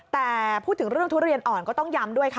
แต่พูดถึงเรื่องทุเรียนอ่อนก็ต้องย้ำด้วยค่ะ